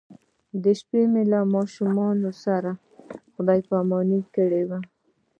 د شپې مې له خپلو ماشومانو سره خدای پاماني کړې وه.